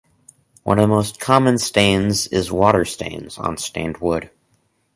One of the most common stains is water stains on stained wood.